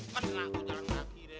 kan dengar aku jalan nanti deh